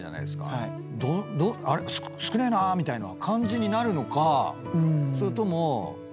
少ねえなみたいな感じになるのかそれとも。